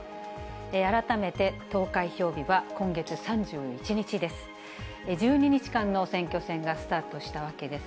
改めて投開票日は今月３１日です。